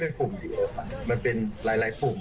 เป็นปุ่มอยู่เป็นหลายปุ่ม